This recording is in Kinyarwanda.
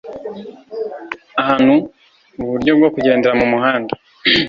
Ahantu uburyo bwo kugendera mu muhanda